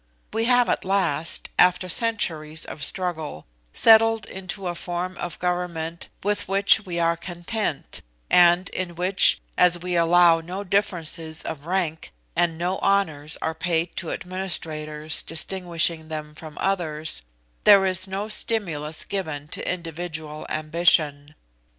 We have at last, after centuries of struggle, settled into a form of government with which we are content, and in which, as we allow no differences of rank, and no honours are paid to administrators distinguishing them from others, there is no stimulus given to individual ambition.